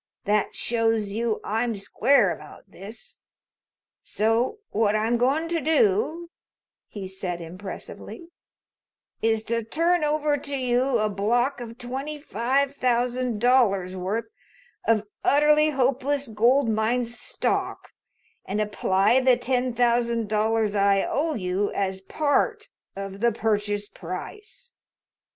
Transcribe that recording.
That shows you I'm square about this. So what I'm going to do," he said impressively, "is to turn over to you a block of twenty five thousand dollars' worth of Utterly Hopeless Gold Mine stock and apply the ten thousand dollars I owe you as part of the purchase price.